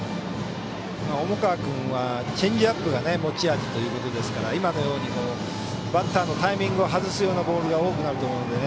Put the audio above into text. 重川君はチェンジアップが持ち味ということですから今のようにバッターのタイミングを外すようなボールが多くなると思うので。